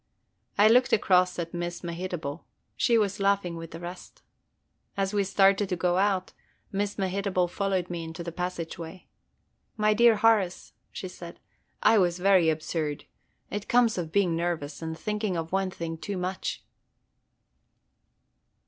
I looked across to Miss Mehitable; she was laughing with the rest. As we started to go out, Miss Mehitable followed me into the passageway. "My dear Horace," she said, "I was very absurd; it comes of being nervous and thinking of one thing too much."